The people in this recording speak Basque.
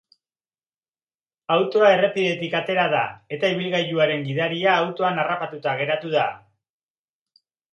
Autoa errepidetik atera da, eta ibilgailuaren gidaria autoan harrapatuta geratu da.